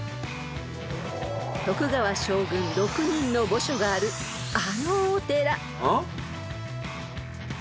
［徳川将軍６人の墓所があるあのお寺］